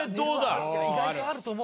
意外とあると思うよ。